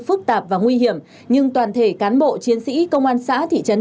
phức tạp và nguy hiểm nhưng toàn thể cán bộ chiến sĩ công an xã thị trấn